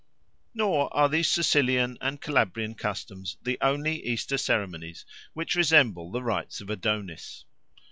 Nor are these Sicilian and Calabrian customs the only Easter ceremonies which resemble the rites of Adonis.